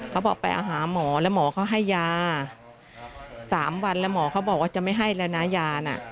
เขาบอกไปหาหมอแล้วหมอเขาให้ยา๓วันแล้วหมอเขาบอกว่าจะไม่ให้แล้วนะยาน่ะ